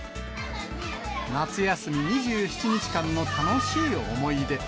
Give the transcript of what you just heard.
夏休み２７日間の楽しい思い出。